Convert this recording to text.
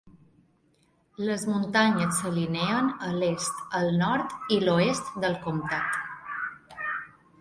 Les muntanyes s'alineen a l'est, el nord i l'oest del comtat.